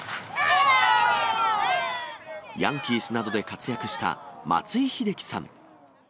ヤンキースなどで活躍した松井秀喜さん。